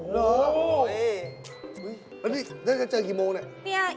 แล้วเจอกันกี่โมงครับ